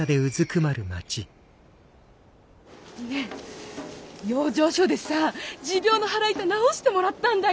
ねえ養生所でさ持病の腹痛治してもらったんだよ。